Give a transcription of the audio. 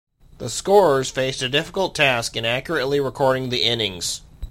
The scorers faced a difficult task in accurately recording the innings.